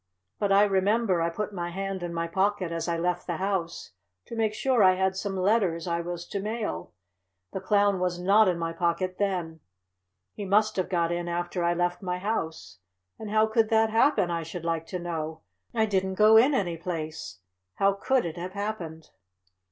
"But I remember I put my hand in my pocket as I left the house, to make sure I had some letters I was to mail. The Clown was not in my pocket then. He must have got in after I left my house. And how could that happen, I should like to know! I didn't go in any place. How could it have happened?"